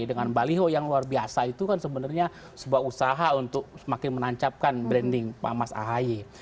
dengan baliho yang luar biasa itu kan sebenarnya sebuah usaha untuk semakin menancapkan branding pak mas ahy